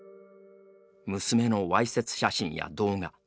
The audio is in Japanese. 娘のわいせつ写真や動画。